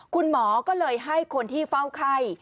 คุณหมอก็เลยให้คนที่เฝ้าไข้